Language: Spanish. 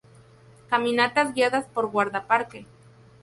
Caminatas guiadas por guardaparque.